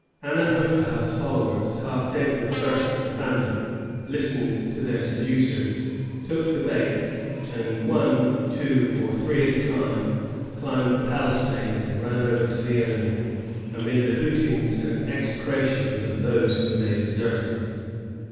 Annahotaha's followers, half dead with thirst and famine, listened to their seducers, took the bait, and, one, two, or three at a time, climbed the palisade and ran over to the enemy, funid the hoot ings and execrations of those whom they deserted.